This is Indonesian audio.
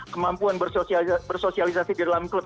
kemampuan bersosialisasi di dalam klub